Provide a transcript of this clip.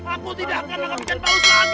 aku tidak akan lagi bikin paus lagi